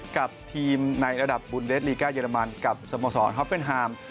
กับทีมในระดับบุญเดสลีก้าเรมันกับสโมสรฮอปเป็นฮาม